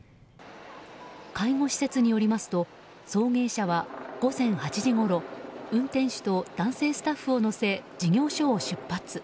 介護施設によりますと送迎車は午前８時ごろ運転手と男性スタッフを乗せ事業所を出発。